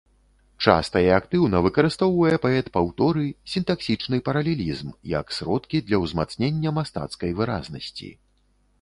Часта і актыўна выкарыстоўвае паэт паўторы, сінтаксічны паралелізм, як сродкі для ўзмацнення мастацкай выразнасці.